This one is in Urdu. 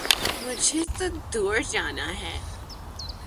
مجھے تو دور جانا ہے